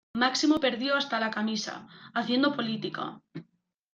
Máximo perdió hasta la camisa, haciendo política.